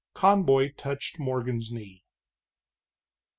Conboy touched Morgan's knee.